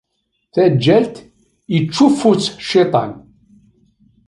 Taǧǧalt yeččufu-tt cciṭan.